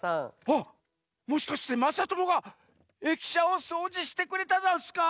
あっもしかしてまさともがえきしゃをそうじしてくれたざんすか？